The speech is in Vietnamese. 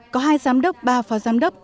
có hai giám đốc ba phó giám đốc